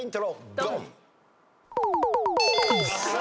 ドン！